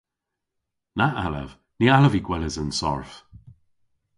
Na allav. Ny allav vy gweles an sarf.